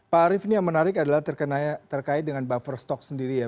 pak arief ini yang menarik adalah terkait dengan buffer stock sendiri ya